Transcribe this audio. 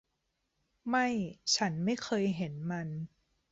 ไม่ฉันไม่เคยเห็นมัน